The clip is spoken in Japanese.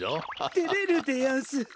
てれるでやんす。